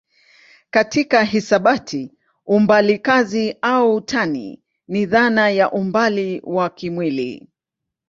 Katika hisabati umbali kazi au tani ni dhana ya umbali wa kimwili.